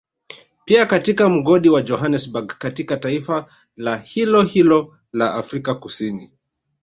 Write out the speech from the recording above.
Pia katika mgodi wa Johanesberg katika taifa la hilohilo la Afrika kusini